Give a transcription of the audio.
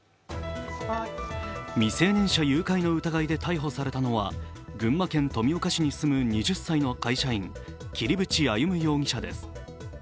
未成年者誘拐の疑いで逮捕されたのは群馬県富岡市に住む２０歳の会社員、桐淵歩夢容疑者です。